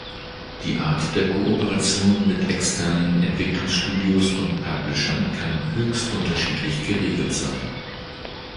Die Art der Kooperation mit externen Entwicklungsstudios und Publishern kann höchst unterschiedlich geregelt sein.